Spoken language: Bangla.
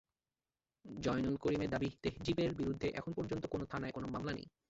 জয়নুল করিমের দাবি, তেহজীবের বিরুদ্ধে এখন পর্যন্ত কোনো থানায় কোনো মামলা নেই।